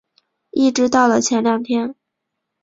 一直到了前两天